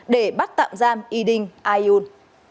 để bắt tạm giam y đinh ai un